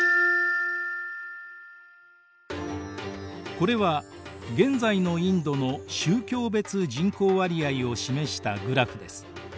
これは現在のインドの宗教別人口割合を示したグラフです。